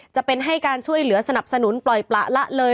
จะเป็นให้การช่วยเหลือสนับสนุนปล่อยประละเลย